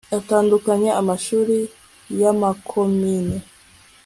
atandukanye amashuri yamakomine